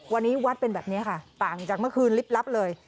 วันนี้วัดเป็นแบบนี้ค่ะต่างจากเมื่อคืนลิบลับเลย